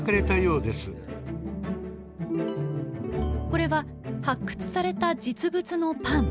これは発掘された実物のパン。